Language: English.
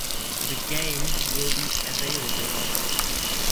The game will be availble